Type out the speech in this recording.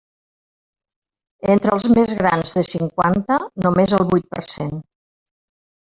Entre els més grans de cinquanta, només el vuit per cent.